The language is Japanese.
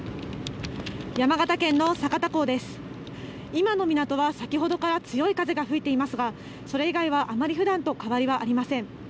今の港は先ほどから強い風が吹いていますがそれ以外はあまりふだんと変わりはありません。